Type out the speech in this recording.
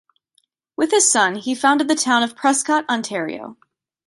With his son, he founded the town of Prescott, Ontario.